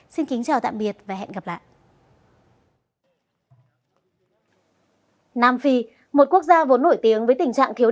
xin kính chào tạm biệt và hẹn gặp lại